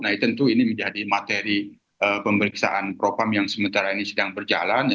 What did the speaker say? nah tentu ini menjadi materi pemeriksaan propam yang sementara ini sedang berjalan